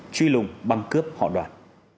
truy lùng băng cướp họ đoàn